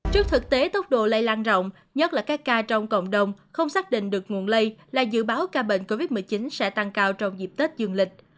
trước thực tế tốc độ lây lan rộng nhất là các ca trong cộng đồng không xác định được nguồn lây là dự báo ca bệnh covid một mươi chín sẽ tăng cao trong dịp tết dương lịch